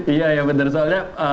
iya benar soalnya